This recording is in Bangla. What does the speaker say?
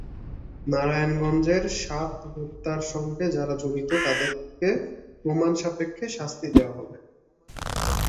নারায়ণগঞ্জের সাত হত্যার সঙ্গে যারা জড়িত, তাদেরকে প্রমাণ সাপেক্ষে শাস্তি দেওয়া হবে।